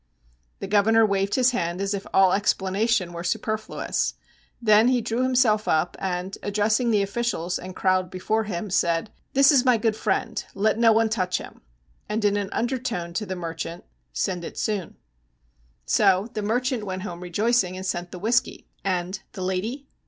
The governor waved his hand as if all explanation were superfluous. Then he drew himself up, and, addressing the officials and crowd before him, said: 'This is my good friend. Let no one touch him.' And in an undertone to the merchant: 'Send it soon.' So the merchant went home rejoicing, and sent the whisky. And the lady?